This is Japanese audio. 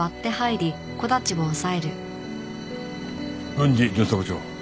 郡司巡査部長。